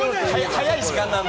早い時間なんで。